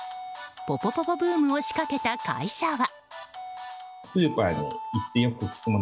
ポポポポブームを仕掛けた会社は。